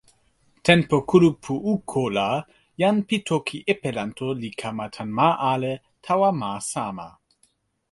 tenpo kulupu Uko la jan pi toki Epelanto li kama tan ma ale tawa ma sama.